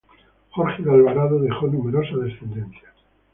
Jorge de Alvarado dejó numerosa descendencia.